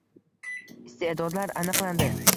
Iste’dodlar aniqlandi